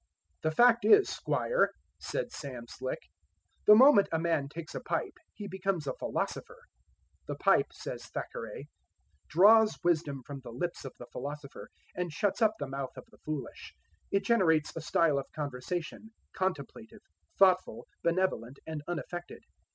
"The fact is, squire," said Sam Slick, "the moment a man takes a pipe he becomes a philosopher." The pipe, says Thackeray, "draws wisdom from the lips of the philosopher, and shuts up the mouth of the foolish; it generates a style of conversation, contemplative, thoughtful, benevolent and unaffected....